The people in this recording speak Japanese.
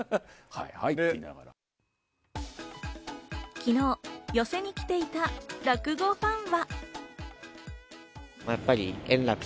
昨日、寄席に来ていた落語ファンは。